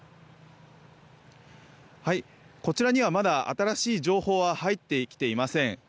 こちらにはまだ、新しい情報は入ってきていません。